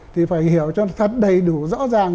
thì phải hiểu cho thật đầy đủ rõ ràng